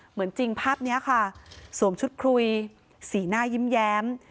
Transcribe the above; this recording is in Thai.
จริงภาพนี้ค่ะสวมชุดครุยสีหน้ายิ้มแย้ม